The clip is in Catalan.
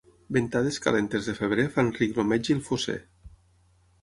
Ventades calentes de febrer fan ric el metge i el fosser.